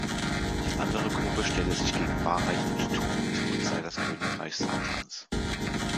Die andere Gruppe stelle sich gegen Wahrheit und Tugend und sei das Königreich Satans.